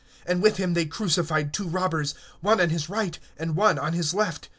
(27)And with him they crucify two robbers; one on his right hand, and one on his left.